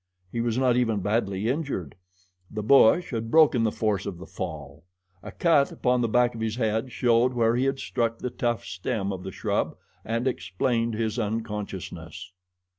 He was not even badly injured. The bush had broken the force of the fall. A cut upon the back of his head showed where he had struck the tough stem of the shrub and explained his unconsciousness.